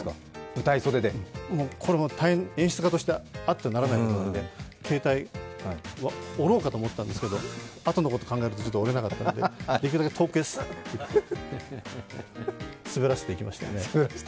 これも演出家として、あってはならないことなので、携帯、折ろうかと思ったんですけれどもあとのことを考えるとちょっと折れなかったのでできるだけ遠くへスッと投げて、滑らしましたね。